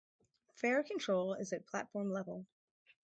Fare control is at platform level.